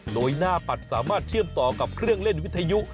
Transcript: โดยหน้าปัดสามารถเชื่อมต่อกับเครื่องเล่นวิทยุ